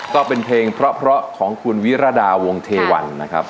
ก็เป็นเพลงเพราะของคุณวิรดาวงเทวันนะครับ